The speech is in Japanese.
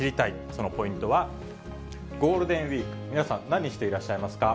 そのポイントは、ゴールデンウィーク皆さん、何していらっしゃいますか？